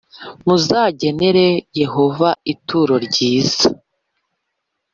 muzagenere Yehova ituro ryiza